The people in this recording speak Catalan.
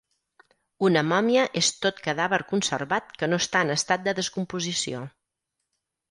Una mòmia és tot cadàver conservat que no està en estat de descomposició.